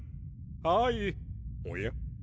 はいおや？